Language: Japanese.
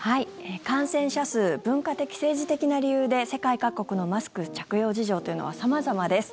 感染者数文化的・政治的な理由で世界各国のマスク着用事情というのは様々です。